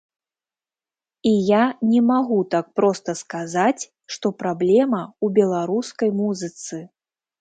І я не магу так проста сказаць, што праблема ў беларускай музыцы.